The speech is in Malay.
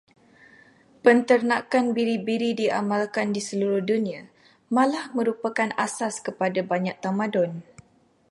Penternakan biri-biri diamalkan di seluruh dunia, malah merupakan asas kepada banyak tamadun.